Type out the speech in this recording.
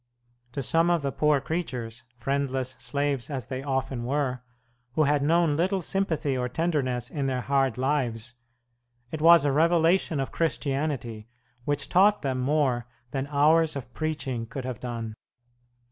To some of the poor creatures, friendless slaves as they often were, who had known little sympathy or tenderness in their hard lives, it was a revelation of Christianity which taught them more than hours of preaching could have done.